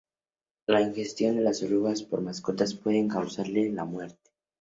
La ingestión de las orugas por mascotas puede causarles la muerte.